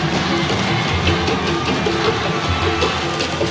assalamualaikum warahmatullahi wabarakatuh